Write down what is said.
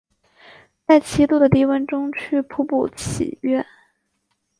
在七度的低温中去瀑布祈愿